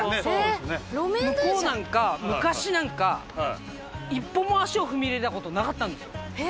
向こうなんか昔は一歩も足を踏み入れたことなかったんですよ。